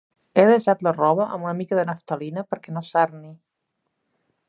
He desat la roba amb una mica de naftalina perquè no s'arni.